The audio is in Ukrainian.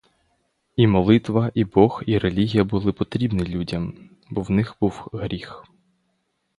І молитва, і бог, і релігія були потрібні людям, бо в них був гріх.